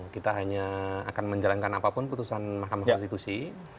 kita hanya akan menjalankan apapun putusan mahkamah konstitusi